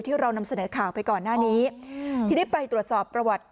เรานำเสนอข่าวไปก่อนหน้านี้ทีนี้ไปตรวจสอบประวัติ